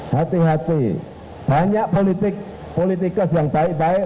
hati hati banyak politik politikus yang baik baik